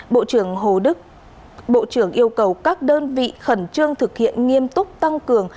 bộ trưởng hồ đức yêu cầu các đơn vị khẩn trương thực hiện nghiêm túc tăng cường